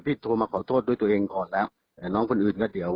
โทรมาขอโทษด้วยตัวเองก่อนแล้วแต่น้องคนอื่นก็เดี๋ยว